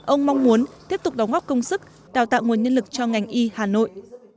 ông mong muốn tiếp tục đóng góp công sức đào tạo nguồn nhân lực cho ngành y hà nội